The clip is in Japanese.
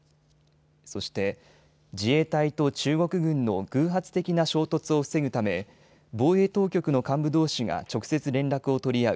そして自衛隊と中国軍の偶発的な衝突を防ぐため防衛当局の幹部どうしが直接連絡を取り合う